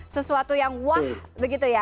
sesuatu yang wah begitu ya